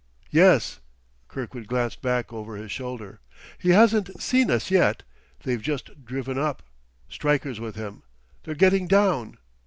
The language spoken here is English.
"Yes." Kirkwood glanced back over his shoulder. "He hasn't seen us yet. They've just driven up. Stryker's with him. They're getting down."